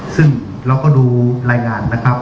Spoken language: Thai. ซึ่งเราก็ดูรายงาน